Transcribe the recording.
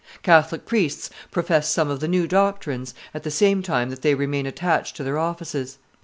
Catholic priests profess some of the new doctrines, at the same time that they remain attached to their offices.